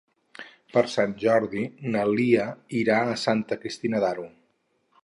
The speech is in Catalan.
Per Sant Jordi na Lia irà a Santa Cristina d'Aro.